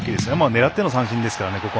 狙っての三振ですからね。